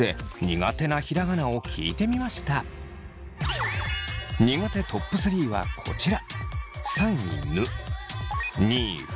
苦手トップ３はこちら。